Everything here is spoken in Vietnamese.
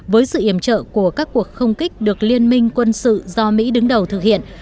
với sự iểm trợ của các cuộc không kích được liên minh quân sự do mỹ đứng đầu thực hiện